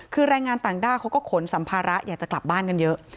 คือแรงงานต่างด้าวเขาก็ขนสัมภาระอยากจะกลับบ้านกันเยอะ